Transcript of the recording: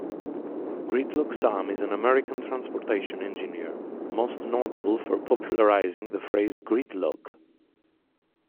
Gridlock Sam, is an American transportation engineer, most notable for popularizing the phrase "gridlock".